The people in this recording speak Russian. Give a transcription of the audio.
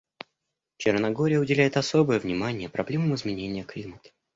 Черногория уделяет особое внимание проблемам изменения климата.